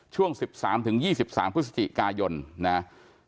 ช่วง๑๓๒๓พฤศจิกายนนะครับ